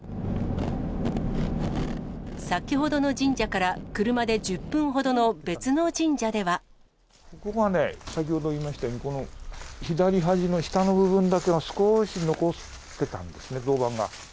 先ほどの神社から車で１０分ほどここがね、先ほど言いましたように、この左端の下の部分だけが少し残ってたんですね、銅板が。